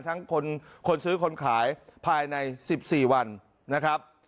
ทั้งคนซื้อคนขายภายใน๑๔วันนะครับ